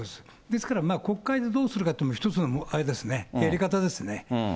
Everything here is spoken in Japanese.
ですから国会でどうするかというのも、一つのあれですね、やり方ですね。